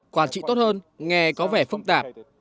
quản trị tốt hơn nghề có vẻ phẫm tạp